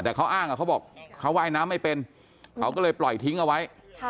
แต่เขาอ้างเขาบอกเขาว่ายน้ำไม่เป็นเขาก็เลยปล่อยทิ้งเอาไว้